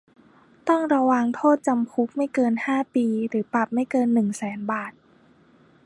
ต้องระวางโทษจำคุกไม่เกินห้าปี หรือปรับไม่เกินหนึ่งแสนบาท